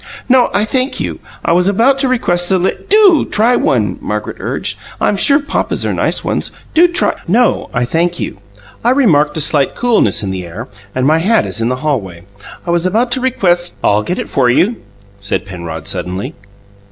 "No, I thank you. I was about to request the lit " "DO try one," Margaret urged. "I'm sure papa's are nice ones. Do try " "No, I thank you. I remarked a slight coolness in the air, and my hat is in the hallway. I was about to request " "I'll get it for you," said Penrod suddenly.